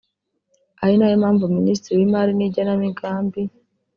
ari nayo mpamvu Minisitiri w’Imari n’igenamigambi